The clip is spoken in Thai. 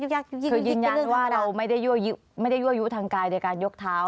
คือยืนยันว่าเราไม่ได้ยั่วยุทางกายในการยกเท้า